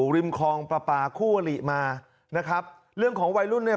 ริมคลองปลาปลาคู่อลิมานะครับเรื่องของวัยรุ่นเนี่ย